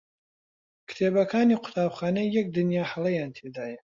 کتێبەکانی قوتابخانە یەک دنیا هەڵەیان تێدایە.